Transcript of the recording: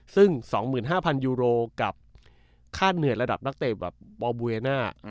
ซึ่ง๒๕๐๐ยูโรกับค่าเหนื่อยระดับนักเตะแบบบอบูเอน่า